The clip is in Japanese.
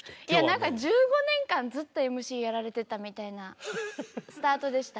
いや何か１５年間ずっとＭＣやられてたみたいなスタートでしたけど。